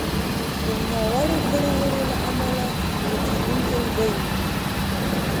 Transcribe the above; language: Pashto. د ناوړو کړو وړو له امله ورکېدونکی دی.